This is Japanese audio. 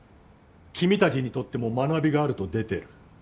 君たちにとっても学びがあると出てる。